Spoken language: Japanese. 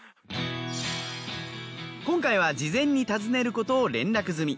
今回は事前に訪ねることを連絡済み。